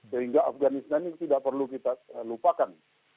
sehingga afganistan ini tidak perlu kita lupakan